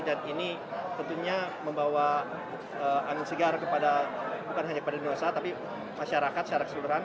dan ini tentunya membawa angin segar kepada bukan hanya kepada dunia usaha tapi masyarakat secara keseluruhan